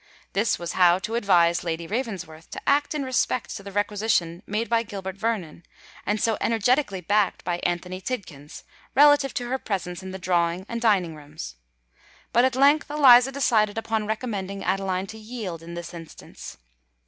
This was how to advise Lady Ravensworth to act in respect to the requisition made by Gilbert Vernon, and so energetically backed by Anthony Tidkins, relative to her presence in the drawing and dining rooms. But at length Eliza decided upon recommending Adeline to yield in this instance.